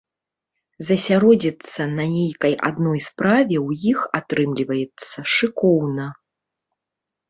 Засяродзіцца на нейкай адной справе ў іх атрымліваецца шыкоўна.